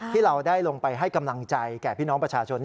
ที่เราได้ลงไปให้กำลังใจแก่พี่น้องประชาชน